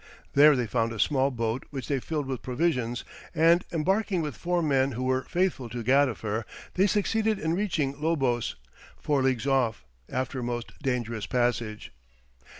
There they found a small boat which they filled with provisions, and embarking with four men who were faithful to Gadifer, they succeeded in reaching Lobos, four leagues off, after a most dangerous passage.